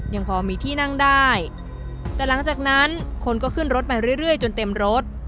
ยังพอมีที่นั่งได้แต่หลังจากนั้นคนก็ขึ้นรถมาเรื่อยจนเต็มรถ